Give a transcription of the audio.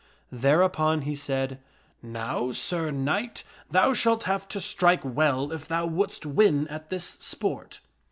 Thereupon he said, " Now, Sir Knight, thou shalt have to strike, well if thou wouldst win at this sport."